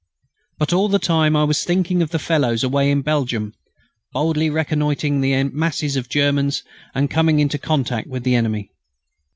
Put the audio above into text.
But all the time I was thinking of the fellows away in Belgium boldly reconnoitring the masses of Germans and coming into contact with the enemy.